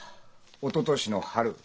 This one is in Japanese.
おととしの春